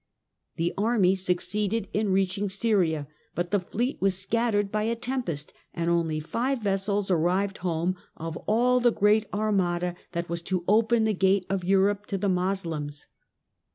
The army succeeded in reaching Syria, but the fleet was scattered by a tempest, and only five vessels arrived home of all the great Armada that was to open the gate of Europe to the Moslems.